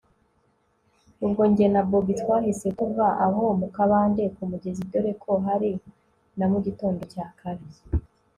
ubwo njye na bobi twahise tuva aho mukabande , kumugezi dore ko hari namugitondo cya kare